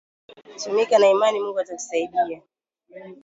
Tumika na imani Mungu atakusaidia